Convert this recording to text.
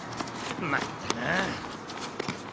まいったなあ。